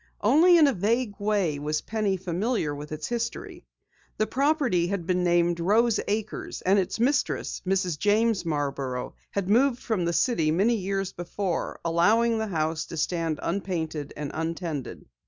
Only in a vague way was Penny familiar with its history. The property had been named Rose Acres and its mistress, Mrs. James Marborough, had moved from the city many years before, allowing the house to stand unpainted and untended.